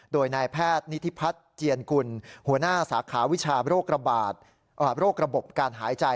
โดยนายแพทย์นิทธิพรัชเจียนกุลหัวหน้าสาขาวิชาโรคระบบการหายใจ